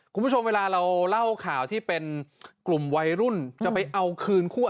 คุณผู้ชมเวลาเราเล่าข่าวที่เป็นกลุ่มวัยรุ่นจะไปเอาคืนคู่